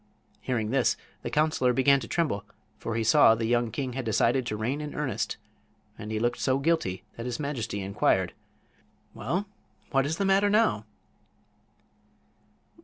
Hearing this the counselor began to tremble, for he saw the young king had decided to reign in earnest; and he looked so guilty that his majesty inquired: "Well! what is the matter now?"